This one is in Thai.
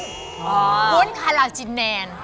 วุ้นคาราจินแนน